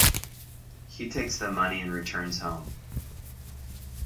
He takes the money and returns home.